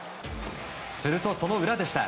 すると、その裏でした。